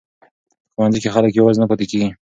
په ښوونځي کې خلک یوازې نه پاتې کیږي.